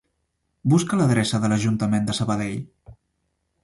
Busca l'adreça de l'Ajuntament de Sabadell.